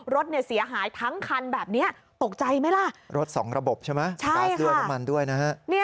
รถเสียหายทั้งคันแบบนี้ตกใจไหมล่ะ